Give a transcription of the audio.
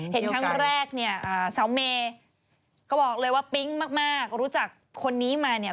เห็นครั้งแรกเนี่ยสาวเมย์เขาบอกเลยว่าปิ๊งมากรู้จักคนนี้มาเนี่ย